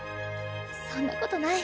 そんなことない。